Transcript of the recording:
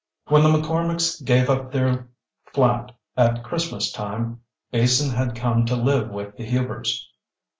When the McCormicks gave up their flat at Christmas time, Beason had come to live with the Hubers.